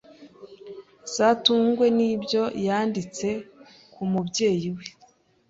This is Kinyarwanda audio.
zatungwe n’ibyo yanditse k'umubyeyi we